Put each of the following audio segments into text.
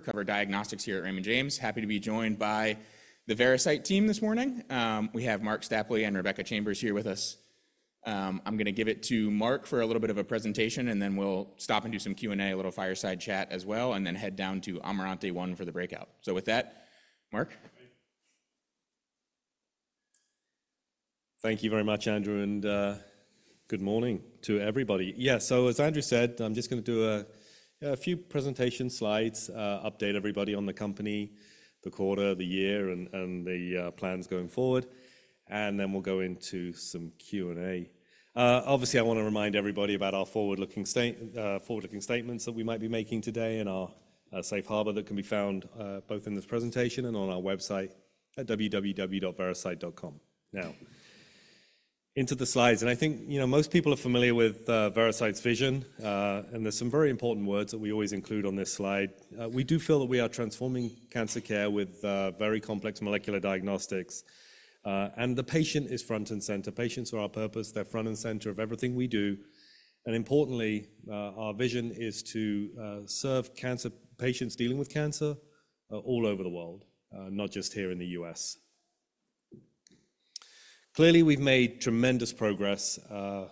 Focus on Diagnostics here at Raymond James. Happy to be joined by the Veracyte team this morning. We have Marc Stapley and Rebecca Chambers here with us. I'm going to give it to Marc for a little bit of a presentation, and then we'll stop and do some Q&A, a little fireside chat as well, and then head down to Amarante One for the breakout. So with that, Marc? Thank you very much, Andrew, and good morning to everybody. Yeah, so as Andrew said, I'm just going to do a few presentation slides, update everybody on the company, the quarter, the year, and the plans going forward. And then we'll go into some Q&A. Obviously, I want to remind everybody about our forward-looking statements that we might be making today and our safe harbor that can be found both in this presentation and on our website at www.veracyte.com. Now, into the slides. And I think, you know, most people are familiar with Veracyte's vision, and there's some very important words that we always include on this slide. We do feel that we are transforming cancer care with very complex molecular diagnostics, and the patient is front and center. Patients are our purpose. They're front and center of everything we do. Importantly, our vision is to serve patients dealing with cancer all over the world, not just here in the U.S. Clearly, we've made tremendous progress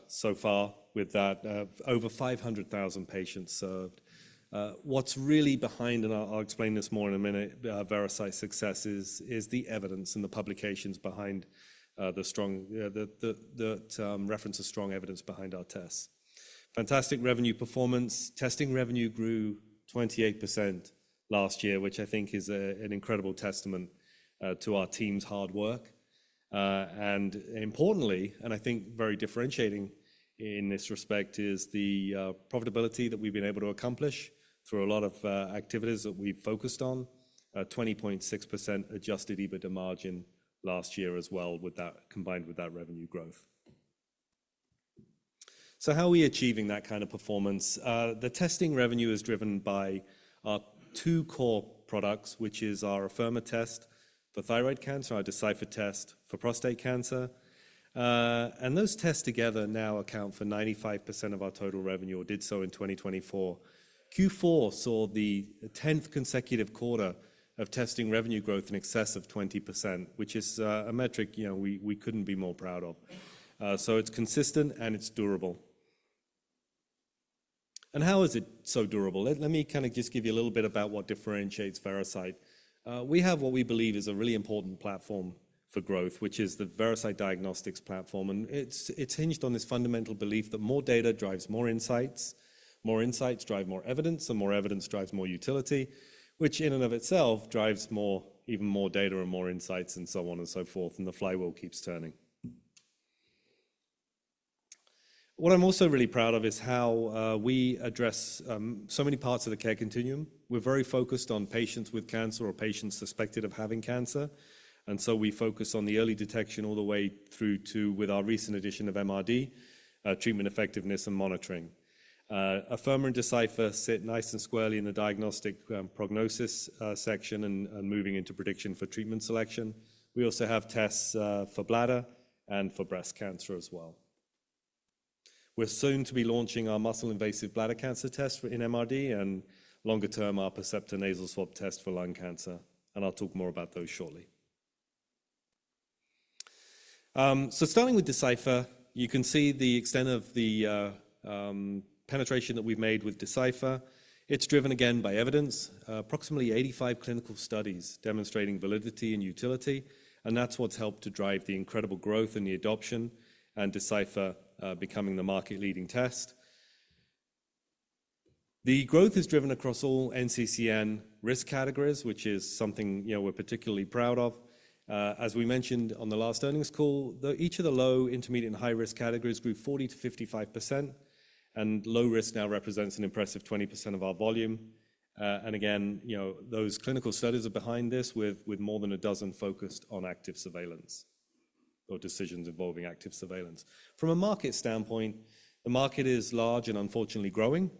so far with that, over 500,000 patients served. What's really behind, and I'll explain this more in a minute, Veracyte's success is the evidence and the publications behind the strong reference of strong evidence behind our tests. Fantastic revenue performance. Testing revenue grew 28% last year, which I think is an incredible testament to our team's hard work. Importantly, and I think very differentiating in this respect is the profitability that we've been able to accomplish through a lot of activities that we've focused on, 20.6% adjusted EBITDA margin last year as well, combined with that revenue growth. So how are we achieving that kind of performance? The testing revenue is driven by our two core products, which are our Afirma test for thyroid cancer, our Decipher test for prostate cancer, and those tests together now account for 95% of our total revenue, or did so in 2024. Q4 saw the 10th consecutive quarter of testing revenue growth in excess of 20%, which is a metric, you know, we couldn't be more proud of, so it's consistent and it's durable, and how is it so durable? Let me kind of just give you a little bit about what differentiates Veracyte. We have what we believe is a really important platform for growth, which is the Veracyte Diagnostics platform, and it's hinged on this fundamental belief that more data drives more insights. More insights drive more evidence, and more evidence drives more utility, which in and of itself drives even more data and more insights and so on and so forth, and the flywheel keeps turning. What I'm also really proud of is how we address so many parts of the care continuum. We're very focused on patients with cancer or patients suspected of having cancer. And so we focus on the early detection all the way through to, with our recent addition of MRD, treatment effectiveness and monitoring. Afirma and Decipher sit nice and squarely in the diagnostic prognosis section and moving into prediction for treatment selection. We also have tests for bladder and for breast cancer as well. We're soon to be launching our muscle-invasive bladder cancer test in MRD and longer-term our Percepta Nasal Swab test for lung cancer. And I'll talk more about those shortly. So starting with Decipher, you can see the extent of the penetration that we've made with Decipher. It's driven again by evidence, approximately 85 clinical studies demonstrating validity and utility. And that's what's helped to drive the incredible growth in the adoption and Decipher becoming the market-leading test. The growth is driven across all NCCN risk categories, which is something, you know, we're particularly proud of. As we mentioned on the last earnings call, each of the low, intermediate, and high-risk categories grew 40%-55%. And low risk now represents an impressive 20% of our volume. And again, you know, those clinical studies are behind this with more than a dozen focused on active surveillance or decisions involving active surveillance. From a market standpoint, the market is large and unfortunately growing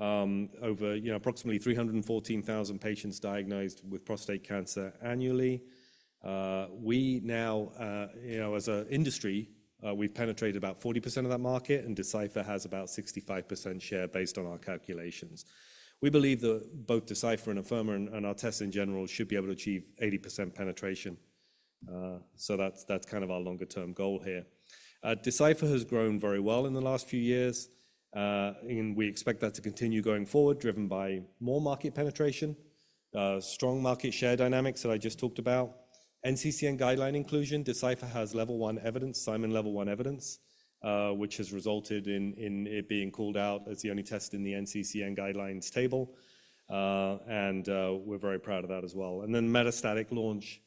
over, you know, approximately 314,000 patients diagnosed with prostate cancer annually. We now, you know, as an industry, we've penetrated about 40% of that market, and Decipher has about 65% share based on our calculations. We believe that both Decipher and Afirma and our tests in general should be able to achieve 80% penetration, so that's kind of our longer-term goal here. Decipher has grown very well in the last few years, and we expect that to continue going forward, driven by more market penetration, strong market share dynamics that I just talked about, NCCN guideline inclusion. Decipher has level one evidence, Simon Level 1 evidence, which has resulted in it being called out as the only test in the NCCN Guidelines table, and we're very proud of that as well, and then metastatic launch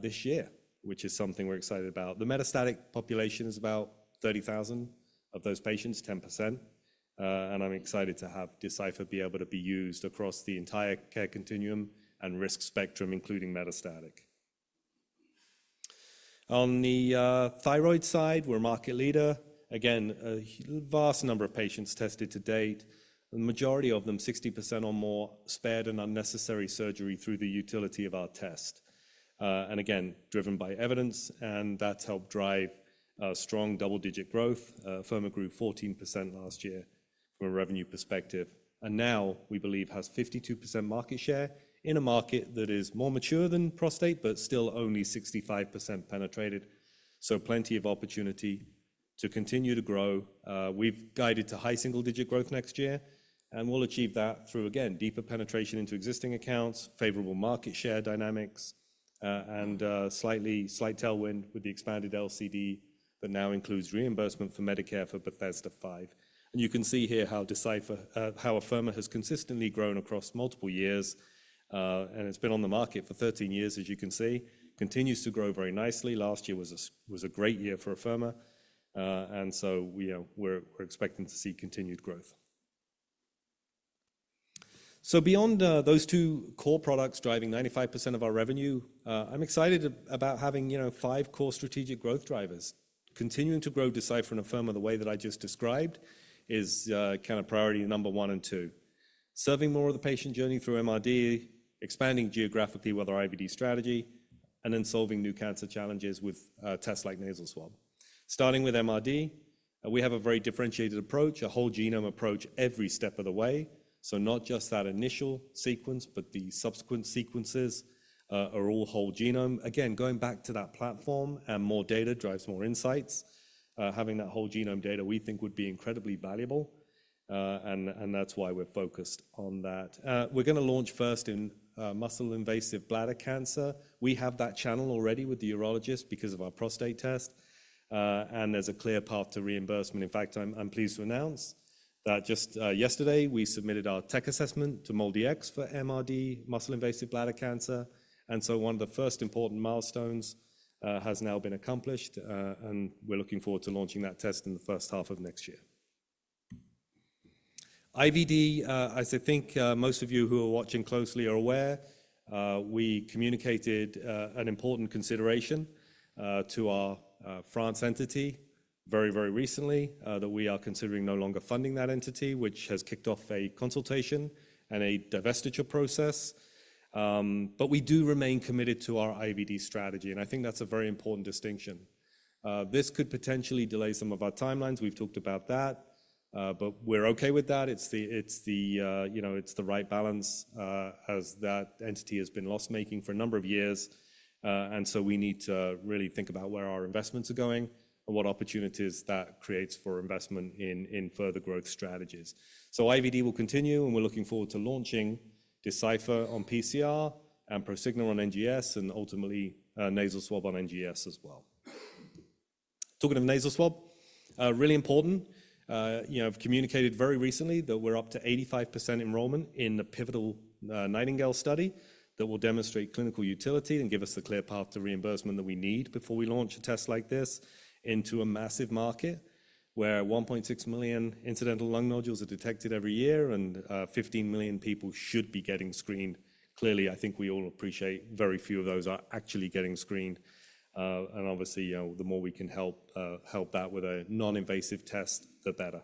this year, which is something we're excited about. The metastatic population is about 30,000 of those patients, 10%. And I'm excited to have Decipher be able to be used across the entire care continuum and risk spectrum, including metastatic. On the thyroid side, we're market leader. Again, a vast number of patients tested to date, the majority of them 60% or more spared an unnecessary surgery through the utility of our test. And again, driven by evidence, and that's helped drive strong double-digit growth. Afirma grew 14% last year from a revenue perspective. And now we believe has 52% market share in a market that is more mature than prostate, but still only 65% penetrated. So plenty of opportunity to continue to grow. We've guided to high single-digit growth next year, and we'll achieve that through, again, deeper penetration into existing accounts, favorable market share dynamics, and slight tailwind with the expanded LCD that now includes reimbursement for Medicare for Bethesda V. You can see here how Afirma has consistently grown across multiple years, and it's been on the market for 13 years, as you can see. It continues to grow very nicely. Last year was a great year for Afirma. We're expecting to see continued growth. Beyond those two core products driving 95% of our revenue, I'm excited about having, you know, five core strategic growth drivers. Continuing to grow Decipher and Afirma the way that I just described is kind of priority number one and two. Serving more of the patient journey through MRD, expanding geographically with our IVD strategy, and then solving new cancer challenges with tests like nasal swab. We have a very differentiated approach starting with MRD, a whole genome approach every step of the way. Not just that initial sequence, but the subsequent sequences are all whole genome. Again, going back to that platform and more data drives more insights. Having that whole genome data, we think, would be incredibly valuable. And that's why we're focused on that. We're going to launch first in muscle-invasive bladder cancer. We have that channel already with the urologist because of our prostate test. And there's a clear path to reimbursement. In fact, I'm pleased to announce that just yesterday we submitted our tech assessment to MolDX for MRD muscle-invasive bladder cancer. And so one of the first important milestones has now been accomplished, and we're looking forward to launching that test in the first half of next year. IVD, as I think most of you who are watching closely are aware, we communicated an important consideration to our France entity very, very recently that we are considering no longer funding that entity, which has kicked off a consultation and a divestiture process, but we do remain committed to our IVD strategy, and I think that's a very important distinction. This could potentially delay some of our timelines. We've talked about that, but we're okay with that. It's the right balance as that entity has been loss-making for a number of years, and so we need to really think about where our investments are going and what opportunities that creates for investment in further growth strategies, so IVD will continue, and we're looking forward to launching Decipher on PCR and Prosigna on NGS and ultimately nasal swab on NGS as well. Talking of nasal swab, really important. You know, I've communicated very recently that we're up to 85% enrollment in a pivotal NIGHTINGALE Study that will demonstrate clinical utility and give us the clear path to reimbursement that we need before we launch a test like this into a massive market where 1.6 million incidental lung nodules are detected every year and 15 million people should be getting screened. Clearly, I think we all appreciate very few of those are actually getting screened, and obviously, you know, the more we can help that with a non-invasive test, the better,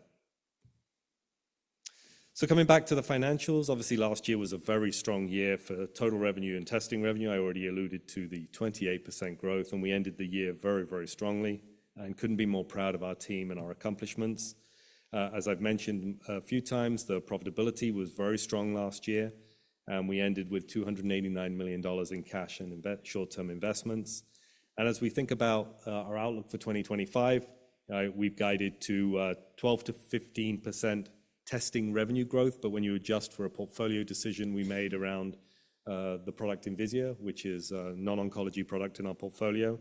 so coming back to the financials, obviously last year was a very strong year for total revenue and testing revenue. I already alluded to the 28% growth, and we ended the year very, very strongly and couldn't be more proud of our team and our accomplishments. As I've mentioned a few times, the profitability was very strong last year, and we ended with $289 million in cash and short-term investments. And as we think about our outlook for 2025, we've guided to 12%-15% testing revenue growth. But when you adjust for a portfolio decision we made around the product Envisia, which is a non-oncology product in our portfolio,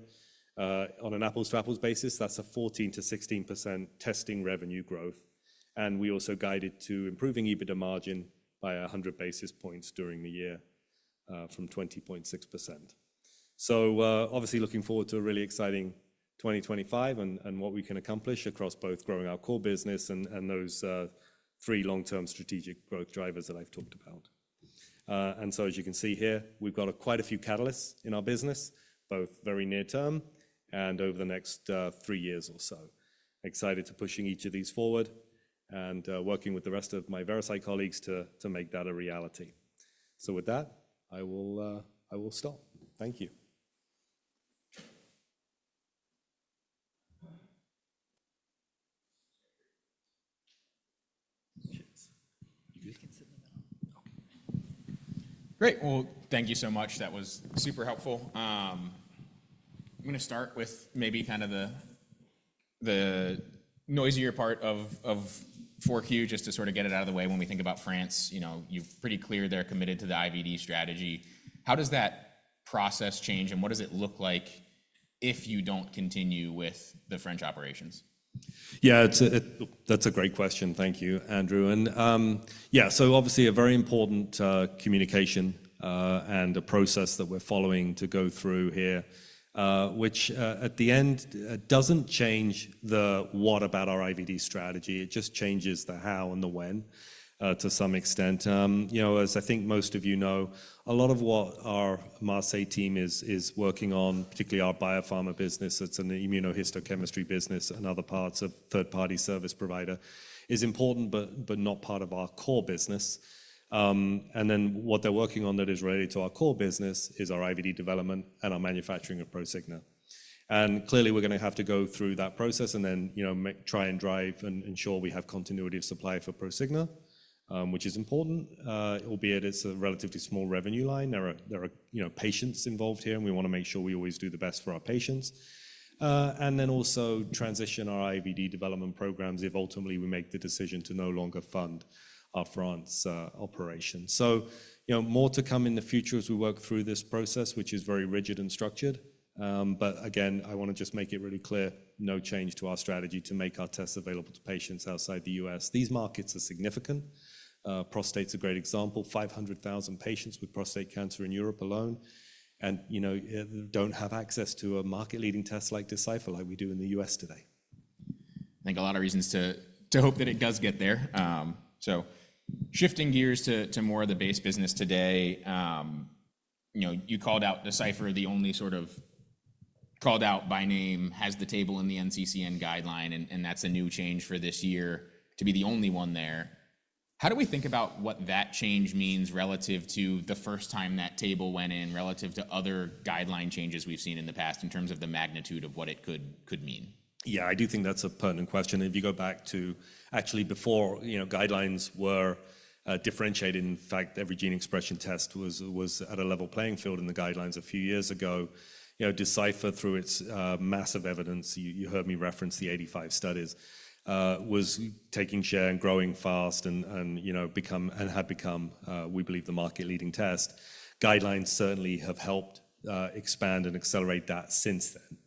on an apples-to-apples basis, that's a 14%-16% testing revenue growth. And we also guided to improving EBITDA margin by 100 basis points during the year from 20.6%. So obviously looking forward to a really exciting 2025 and what we can accomplish across both growing our core business and those three long-term strategic growth drivers that I've talked about. And so as you can see here, we've got quite a few catalysts in our business, both very near-term and over the next three years or so. Excited to pushing each of these forward and working with the rest of my Veracyte colleagues to make that a reality. So with that, I will stop. Thank you. Great. Well, thank you so much. That was super helpful. I'm going to start with maybe kind of the noisier part of 4Q just to sort of get it out of the way. When we think about France, you know, you're pretty clear they're committed to the IVD strategy. How does that process change and what does it look like if you don't continue with the French operations? Yeah, that's a great question. Thank you, Andrew. Yeah, so obviously a very important communication and a process that we're following to go through here, which at the end doesn't change the what about our IVD strategy. It just changes the how and the when to some extent. You know, as I think most of you know, a lot of what our Marseille team is working on, particularly our biopharma business, it's an immunohistochemistry business and other parts of third-party service provider, is important but not part of our core business. And then what they're working on that is related to our core business is our IVD development and our manufacturing of Prosigna. And clearly we're going to have to go through that process and then, you know, try and drive and ensure we have continuity of supply for Prosigna, which is important, albeit it's a relatively small revenue line. There are patients involved here and we want to make sure we always do the best for our patients, and then also transition our IVD development programs if ultimately we make the decision to no longer fund our France operation, you know, more to come in the future as we work through this process, which is very rigid and structured, but again, I want to just make it really clear, no change to our strategy to make our tests available to patients outside the U.S. These markets are significant. Prostate's a great example, 500,000 patients with prostate cancer in Europe alone, you know, don't have access to a market-leading test like Decipher like we do in the U.S. today. I think a lot of reasons to hope that it does get there. So shifting gears to more of the base business today, you know, you called out Decipher, the only sort of called out by name, has the table in the NCCN guideline, and that's a new change for this year to be the only one there. How do we think about what that change means relative to the first time that table went in, relative to other guideline changes we've seen in the past in terms of the magnitude of what it could mean? Yeah, I do think that's a pertinent question. If you go back to actually before, you know, guidelines were differentiated. In fact, every gene expression test was at a level playing field in the guidelines a few years ago. You know, Decipher through its massive evidence, you heard me reference the 85 studies, was taking share and growing fast and, you know, had become, we believe, the market-leading test. Guidelines certainly have helped expand and accelerate that since then.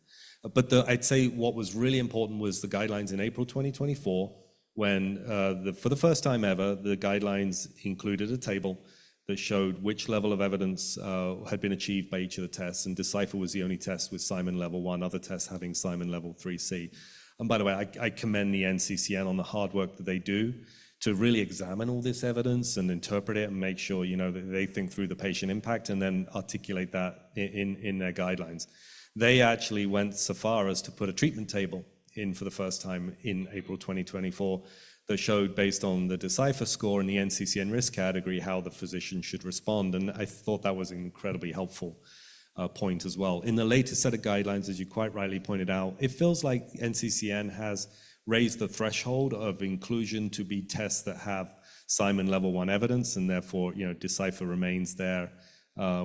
But I'd say what was really important was the guidelines in April 2024 when, for the first time ever, the guidelines included a table that showed which level of evidence had been achieved by each of the tests. And Decipher was the only test with Simon Level 1, other tests having Simon Level 3C. And by the way, I commend the NCCN on the hard work that they do to really examine all this evidence and interpret it and make sure, you know, that they think through the patient impact and then articulate that in their guidelines. They actually went so far as to put a treatment table in for the first time in April 2024 that showed, based on the Decipher score and the NCCN risk category, how the physician should respond. And I thought that was an incredibly helpful point as well. In the latest set of guidelines, as you quite rightly pointed out, it feels like NCCN has raised the threshold of inclusion to be tests that have Simon Level 1 evidence and therefore, you know, Decipher remains there,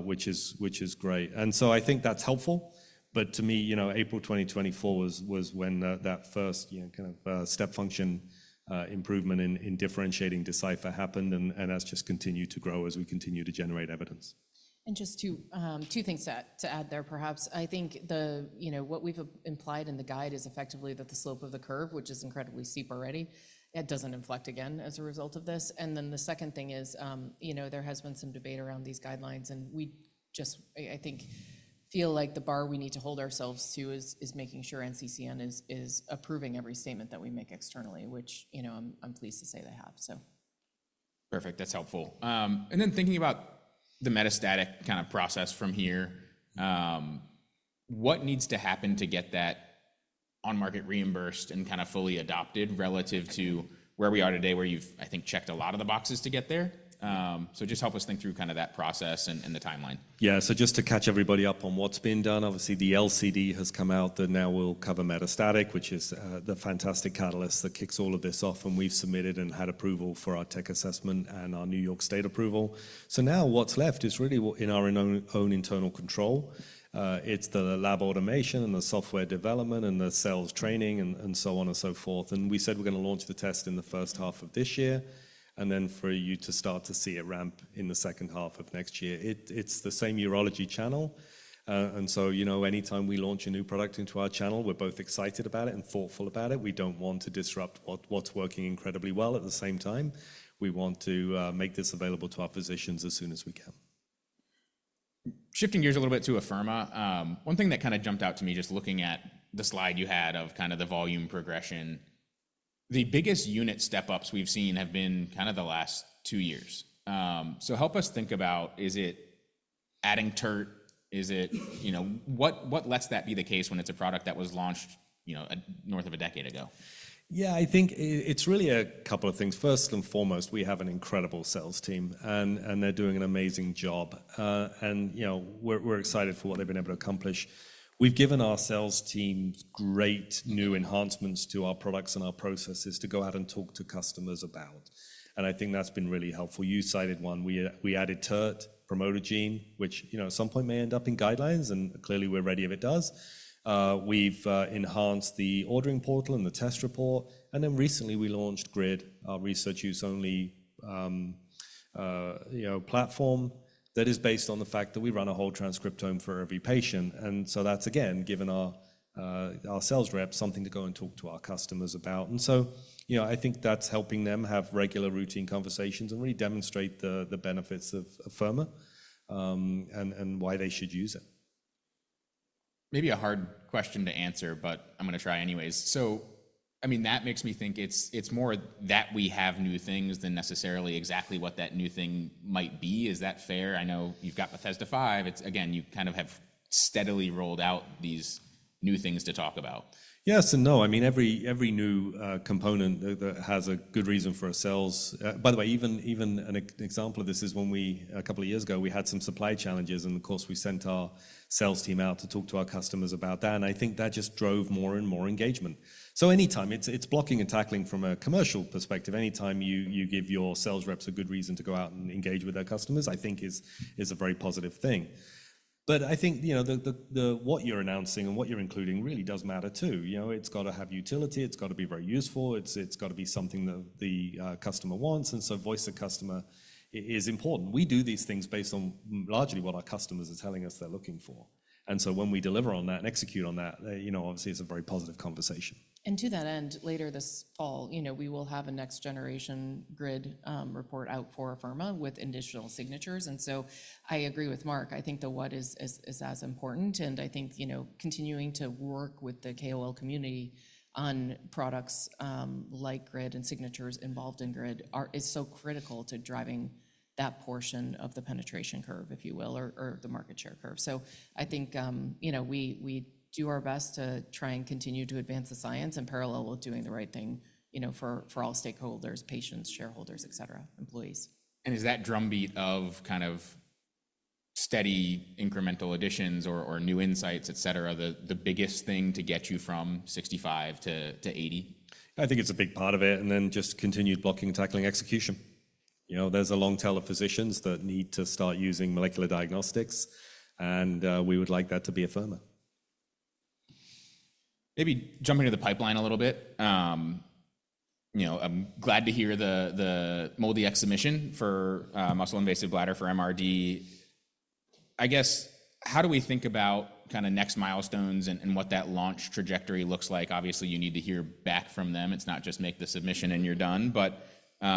which is great. And so I think that's helpful. But to me, you know, April 2024 was when that first, you know, kind of step function improvement in differentiating Decipher happened and has just continued to grow as we continue to generate evidence. And just two things to add there perhaps. I think, you know, what we've implied in the guide is effectively that the slope of the curve, which is incredibly steep already, it doesn't inflect again as a result of this. And then the second thing is, you know, there has been some debate around these guidelines and we just, I think, feel like the bar we need to hold ourselves to is making sure NCCN is approving every statement that we make externally, which, you know, I'm pleased to say they have, so. Perfect. That's helpful. And then thinking about the metastatic kind of process from here, what needs to happen to get that on-market reimbursed and kind of fully adopted relative to where we are today, where you've, I think, checked a lot of the boxes to get there? So just help us think through kind of that process and the timeline. Yeah, so just to catch everybody up on what's been done, obviously the LCD has come out that now will cover metastatic, which is the fantastic catalyst that kicks all of this off, and we've submitted and had approval for our tech assessment and our New York State approval, so now what's left is really in our own internal control. It's the lab automation and the software development and the sales training and so on and so forth, and we said we're going to launch the test in the first half of this year, and then for you to start to see it ramp in the second half of next year. It's the same urology channel, and so, you know, anytime we launch a new product into our channel, we're both excited about it and thoughtful about it. We don't want to disrupt what's working incredibly well. At the same time, we want to make this available to our physicians as soon as we can. Shifting gears a little bit to Afirma, one thing that kind of jumped out to me just looking at the slide you had of kind of the volume progression, the biggest unit step-ups we've seen have been kind of the last two years. So help us think about, is it adding TERT? Is it, you know, what lets that be the case when it's a product that was launched, you know, north of a decade ago? Yeah, I think it's really a couple of things. First and foremost, we have an incredible sales team and they're doing an amazing job. And, you know, we're excited for what they've been able to accomplish. We've given our sales teams great new enhancements to our products and our processes to go out and talk to customers about, and I think that's been really helpful. You cited one. We added TERT promoter gene, which, you know, at some point may end up in guidelines and clearly we're ready if it does. We've enhanced the ordering portal and the test report, and then recently we launched GRID, our research-use-only, you know, platform that is based on the fact that we run a whole transcriptome for every patient, and so that's, again, given our sales rep something to go and talk to our customers about, and so, you know, I think that's helping them have regular routine conversations and really demonstrate the benefits of Afirma and why they should use it. Maybe a hard question to answer, but I'm going to try anyways. So, I mean, that makes me think it's more that we have new things than necessarily exactly what that new thing might be. Is that fair? I know you've got Bethesda V. It's, again, you kind of have steadily rolled out these new things to talk about. Yes and no. I mean, every new component that has a good reason for a sales. By the way, even an example of this is when we, a couple of years ago, we had some supply challenges and of course we sent our sales team out to talk to our customers about that. And I think that just drove more and more engagement. So anytime it's blocking and tackling from a commercial perspective, anytime you give your sales reps a good reason to go out and engage with their customers, I think is a very positive thing. But I think, you know, what you're announcing and what you're including really does matter too. You know, it's got to have utility. It's got to be very useful. It's got to be something that the customer wants. And so voice of customer is important. We do these things based on largely what our customers are telling us they're looking for. And so when we deliver on that and execute on that, you know, obviously it's a very positive conversation. And to that end, later this fall, you know, we will have a next generation GRID report out for Afirma with additional signatures. And so I agree with Marc. I think the what is as important. And I think, you know, continuing to work with the KOL community on products like GRID and signatures involved in GRID is so critical to driving that portion of the penetration curve, if you will, or the market share curve. So I think, you know, we do our best to try and continue to advance the science in parallel with doing the right thing, you know, for all stakeholders, patients, shareholders, et cetera, employees. And is that drumbeat of kind of steady incremental additions or new insights, et cetera, the biggest thing to get you from 65 to 80? I think it's a big part of it. And then just continued blocking and tackling execution. You know, there's a long tail of physicians that need to start using molecular diagnostics and we would like that to be Afirma. Maybe jumping to the pipeline a little bit. You know, I'm glad to hear the MolDX submission for muscle-invasive bladder for MRD. I guess how do we think about kind of next milestones and what that launch trajectory looks like? Obviously, you need to hear back from them. It's not just make the submission and you're done. But, you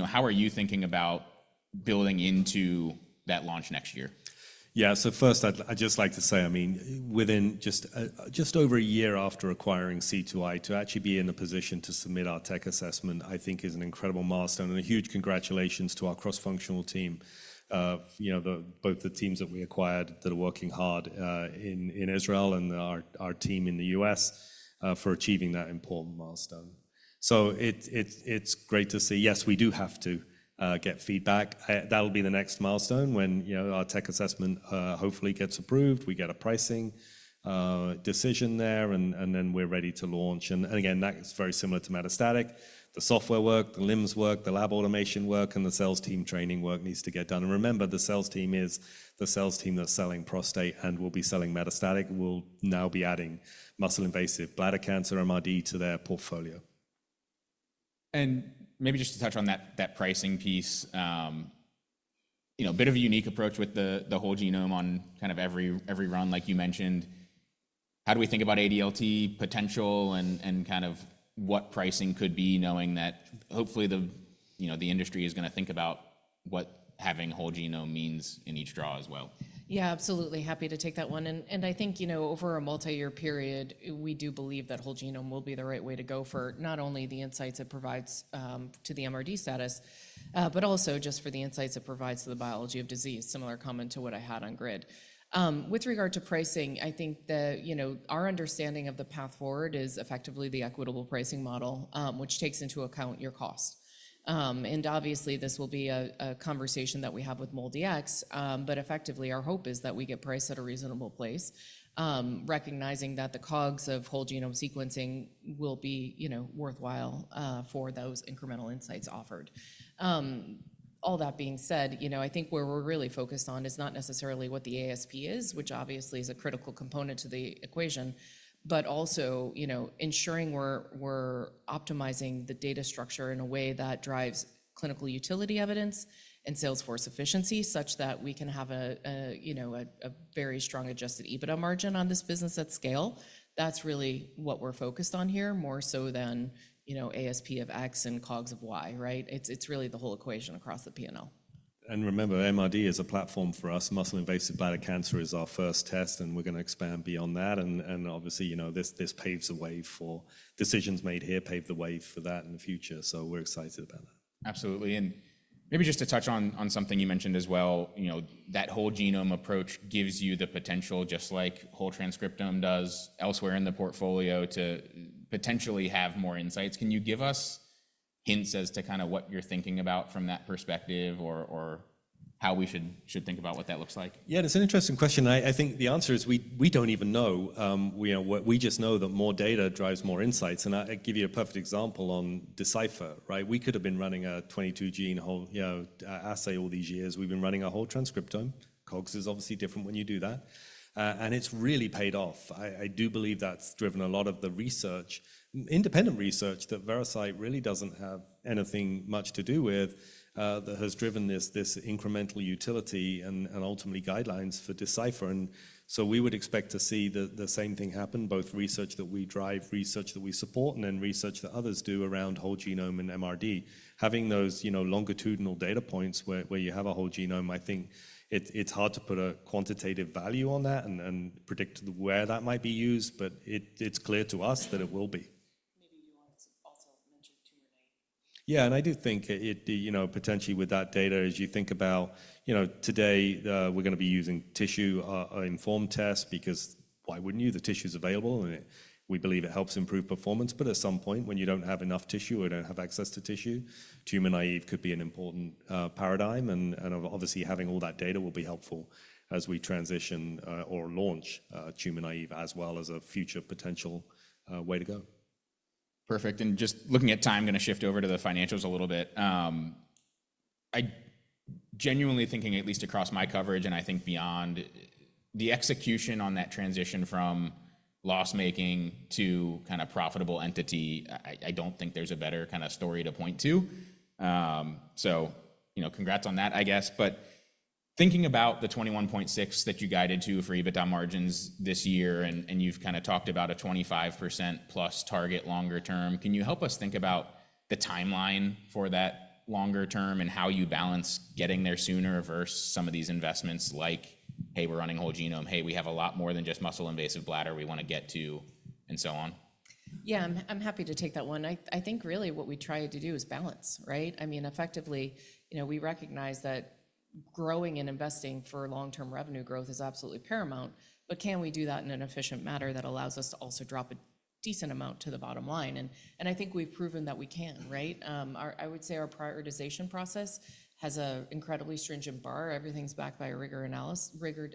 know, how are you thinking about building into that launch next year? Yeah, so first I'd just like to say, I mean, within just over a year after acquiring C2i, to actually be in a position to submit our tech assessment, I think is an incredible milestone and a huge congratulations to our cross-functional team, you know, both the teams that we acquired that are working hard in Israel and our team in the U.S. for achieving that important milestone. So it's great to see, yes, we do have to get feedback. That'll be the next milestone when, you know, our tech assessment hopefully gets approved, we get a pricing decision there and then we're ready to launch. And again, that's very similar to metastatic. The software work, the LIMS work, the lab automation work, and the sales team training work needs to get done. And remember, the sales team is the sales team that's selling prostate and will be selling metastatic. We'll now be adding muscle-invasive bladder cancer MRD to their portfolio. And maybe just to touch on that pricing piece, you know, a bit of a unique approach with the whole genome on kind of every run, like you mentioned. How do we think about ADLT potential and kind of what pricing could be knowing that hopefully the, you know, the industry is going to think about what having whole genome means in each draw as well. Yeah, absolutely. Happy to take that one. And I think, you know, over a multi-year period, we do believe that whole genome will be the right way to go for not only the insights it provides to the MRD status, but also just for the insights it provides to the biology of disease. Similar comment to what I had on GRID. With regard to pricing, I think that, you know, our understanding of the path forward is effectively the equitable pricing model, which takes into account your cost. And obviously this will be a conversation that we have with MolDX, but effectively our hope is that we get priced at a reasonable place, recognizing that the COGS of whole genome sequencing will be, you know, worthwhile for those incremental insights offered. All that being said, you know, I think where we're really focused on is not necessarily what the ASP is, which obviously is a critical component to the equation, but also, you know, ensuring we're optimizing the data structure in a way that drives clinical utility evidence and sales force efficiency such that we can have a, you know, a very strong adjusted EBITDA margin on this business at scale. That's really what we're focused on here, more so than, you know, ASP of X and COGS of Y, right? It's really the whole equation across the P&L. And remember, MRD is a platform for us. Muscle-invasive bladder cancer is our first test and we're going to expand beyond that. And obviously, you know, this paves the way for decisions made here, paved the way for that in the future. So we're excited about that. Absolutely. And maybe just to touch on something you mentioned as well, you know, that whole genome approach gives you the potential just like whole transcriptome does elsewhere in the portfolio to potentially have more insights. Can you give us hints as to kind of what you're thinking about from that perspective or how we should think about what that looks like? Yeah, that's an interesting question. I think the answer is we don't even know. You know, we just know that more data drives more insights. And I'll give you a perfect example on Decipher, right? We could have been running a 22-gene whole, you know, assay all these years. We've been running a whole transcriptome. COGS is obviously different when you do that. And it's really paid off. I do believe that's driven a lot of the research, independent research that Veracyte really doesn't have anything much to do with that has driven this incremental utility and ultimately guidelines for Decipher. And so we would expect to see the same thing happen, both research that we drive, research that we support, and then research that others do around whole genome and MRD. Having those, you know, longitudinal data points where you have a whole genome, I think it's hard to put a quantitative value on that and predict where that might be used, but it's clear to us that it will be. Maybe you wanted to also mention tumor-naive. Yeah, and I do think it, you know, potentially with that data, as you think about, you know, today we're going to be using tissue-informed tests because why wouldn't you? The tissue's available and we believe it helps improve performance, but at some point when you don't have enough tissue or don't have access to tissue, tumor-naive could be an important paradigm, and obviously having all that data will be helpful as we transition or launch tumor-naive as well as a future potential way to go. Perfect, and just looking at time, I'm going to shift over to the financials a little bit. I'm genuinely thinking, at least across my coverage and I think beyond, the execution on that transition from loss-making to kind of profitable entity, I don't think there's a better kind of story to point to, so, you know, congrats on that, I guess. But thinking about the 21.6% that you guided to for EBITDA margins this year and you've kind of talked about a 25% plus target longer term, can you help us think about the timeline for that longer term and how you balance getting there sooner versus some of these investments like, hey, we're running whole genome, hey, we have a lot more than just muscle-invasive bladder we want to get to and so on? Yeah, I'm happy to take that one. I think really what we try to do is balance, right? I mean, effectively, you know, we recognize that growing and investing for long-term revenue growth is absolutely paramount, but can we do that in an efficient manner that allows us to also drop a decent amount to the bottom line? And I think we've proven that we can, right? I would say our prioritization process has an incredibly stringent bar. Everything's backed by a rigorous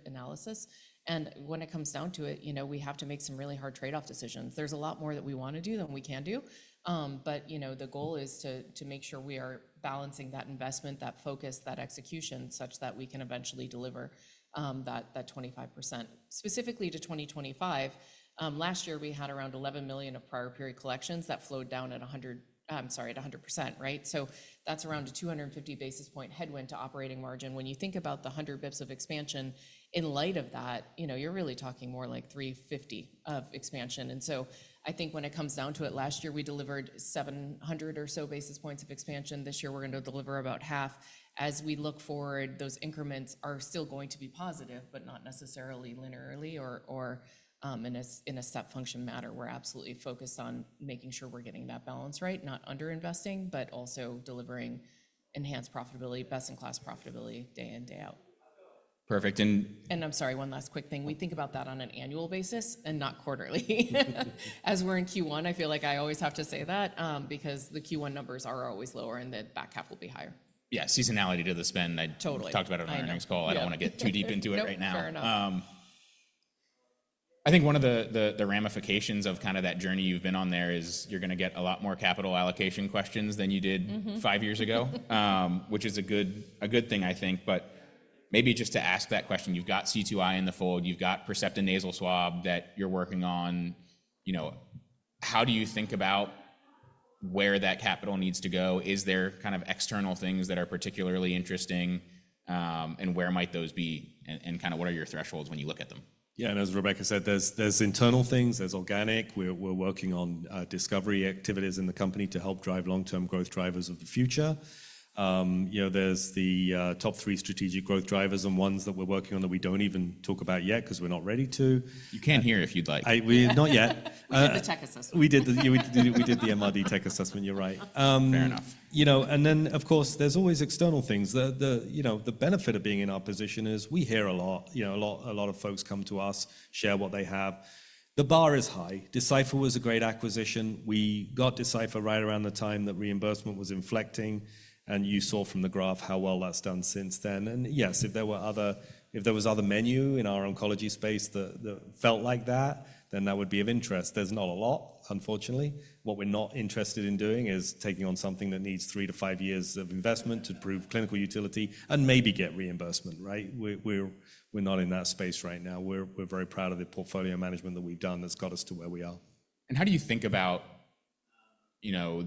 analysis. And when it comes down to it, you know, we have to make some really hard trade-off decisions. There's a lot more that we want to do than we can do. But, you know, the goal is to make sure we are balancing that investment, that focus, that execution such that we can eventually deliver that 25%. Specifically to 2025, last year we had around $11 million of prior period collections that flowed down at 100, I'm sorry, at 100%, right? So that's around a 250 basis points headwind to operating margin. When you think about the 100 basis points of expansion in light of that, you know, you're really talking more like 350 of expansion. And so I think when it comes down to it, last year we delivered 700 or so basis points of expansion. This year we're going to deliver about half. As we look forward, those increments are still going to be positive, but not necessarily linearly or in a step function matter. We're absolutely focused on making sure we're getting that balance right, not under-investing, but also delivering enhanced profitability, best-in-class profitability day in, day out. Perfect. And I'm sorry, one last quick thing. We think about that on an annual basis and not quarterly. As we're in Q1, I feel like I always have to say that because the Q1 numbers are always lower and the back half will be higher. Yeah, seasonality to the spend. I totally talked about it on our next call. I don't want to get too deep into it right now. Fair enough. I think one of the ramifications of kind of that journey you've been on there is you're going to get a lot more capital allocation questions than you did five years ago, which is a good thing, I think. But maybe just to ask that question, you've got C2i in the fold, you've got Percepta nasal swab that you're working on. You know, how do you think about where that capital needs to go? Is there kind of external things that are particularly interesting and where might those be and kind of what are your thresholds when you look at them? Yeah, and as Rebecca said, there's internal things, there's organic. We're working on discovery activities in the company to help drive long-term growth drivers of the future. You know, there's the top three strategic growth drivers and ones that we're working on that we don't even talk about yet because we're not ready to. You can hear if you'd like. Not yet. We did the tech assessment. We did the MRD tech assessment, you're right. Fair enough. You know, and then of course there's always external things. You know, the benefit of being in our position is we hear a lot. You know, a lot of folks come to us, share what they have. The bar is high. Decipher was a great acquisition. We got Decipher right around the time that reimbursement was inflecting. And you saw from the graph how well that's done since then. And yes, if there were other, if there was other menu in our oncology space that felt like that, then that would be of interest. There's not a lot, unfortunately. What we're not interested in doing is taking on something that needs three to five years of investment to prove clinical utility and maybe get reimbursement, right? We're not in that space right now. We're very proud of the portfolio management that we've done that's got us to where we are. And how do you think about, you know,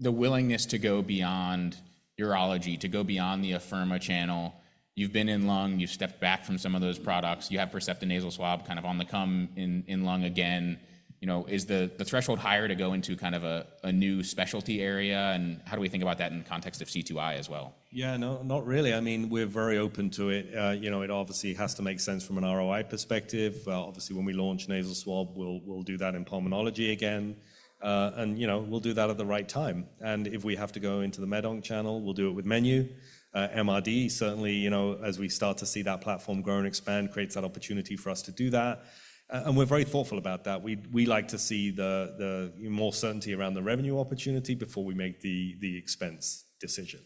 the willingness to go beyond urology, to go beyond the Afirma channel? You've been in lung, you've stepped back from some of those products. You have Percepta nasal swab kind of on the come in lung again. You know, is the threshold higher to go into kind of a new specialty area? And how do we think about that in the context of C2i as well? Yeah, not really. I mean, we're very open to it. You know, it obviously has to make sense from an ROI perspective. Obviously when we launch nasal swab, we'll do that in pulmonology again. And, you know, we'll do that at the right time. And if we have to go into the MedOnc channel, we'll do it with menu. MRD, certainly, you know, as we start to see that platform grow and expand, creates that opportunity for us to do that. And we're very thoughtful about that. We like to see the more certainty around the revenue opportunity before we make the expense decision.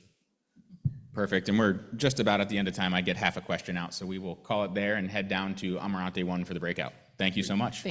Perfect. And we're just about at the end of time. I get half a question out, so we will call it there and head down to Amarante One for the breakout. Thank you so much.